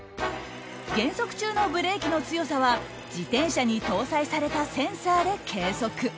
減速中のブレーキの強さは自転車に搭載されたセンサーで計測。